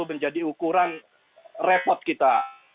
menjadi ukuran repot kita